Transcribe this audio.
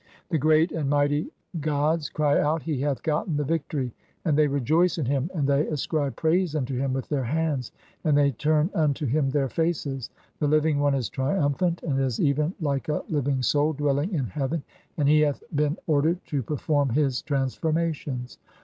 The great and mighty gods cry out, 'He hath "gotten the victory,' (19) and they rejoice in him, and they "ascribe praise unto him with their hands, and they turn unto "him their faces. (20) The living one is triumphant, and is "even like a living soul dwelling in heaven, and he hath been "ordered to perform [his] transformations.